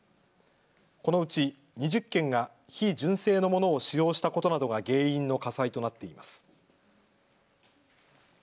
このうち２０件が非純正のものを使用したことなどが原因の火災となっています。